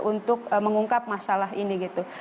untuk mengungkap masalah ini gitu